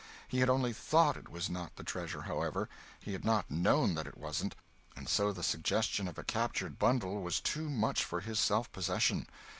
He had only thought it was not the treasure, however—he had not known that it wasn't—and so the suggestion of a captured bundle was too much for his self possession.